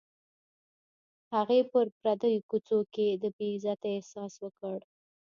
هغې په پردیو کوڅو کې د بې عزتۍ احساس وکړ